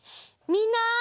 みんな！